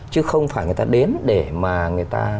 chứ không phải người ta đến để mà người ta